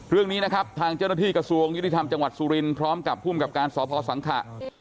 เรื่องนี้นะครับทางเจ้าหน้าที่กระทรวงยุติธรรมจังหวัดสุรินทร์พร้อมกับภูมิกับการสพสังขะ